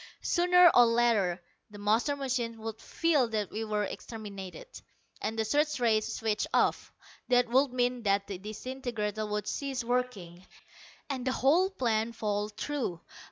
Sooner or later the master machine would feel that we were exterminated, and the search rays switched off. That would mean that the disintegrator would cease working, and the whole plan fall through.